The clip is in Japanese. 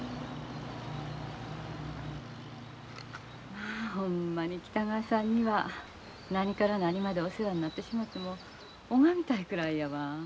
まあほんまに北川さんには何から何までお世話になってしもてもう拝みたいくらいやわ。